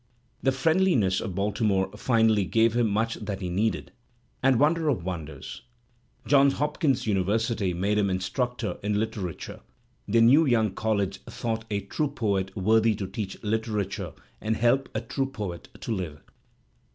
The friendliness of Baltimore finally gave him much that he needed, and wonder of wonders! Johns Hopkins University made him instructor in literature; the new young college thought a true poet worthy to teach literature and helped a true poet to live.